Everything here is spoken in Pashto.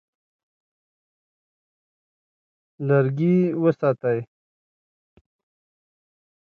لرګي وساتئ.